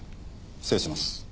失礼します。